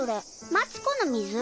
マツコの水？